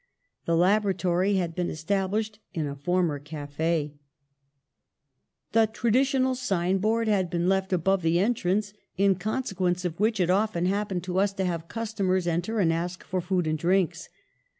The laboratory had been established in a former cafe: 78 PASTEUR 'The traditional signboard had been left above the entrance, in consequence of which it often happened to us to have customers enter and ask for food and drinks.